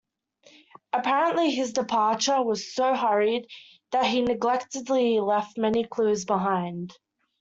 Apparently his departure was so hurried that he negligently left many clues behind.